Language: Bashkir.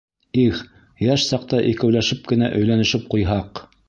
Их, йәш саҡта икәүләшеп кенә өйләнешеп ҡуйһаҡ!..